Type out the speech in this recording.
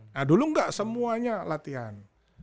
nah dulu enggak semuanya latihan